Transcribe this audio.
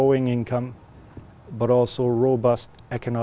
nhưng cũng có những năng lực năng cao